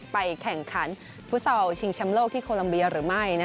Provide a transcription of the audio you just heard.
แข่งขันฟุตซอลชิงแชมป์โลกที่โคลัมเบียหรือไม่